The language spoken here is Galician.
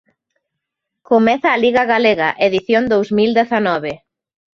Comeza a Liga galega, edición dous mil dezanove.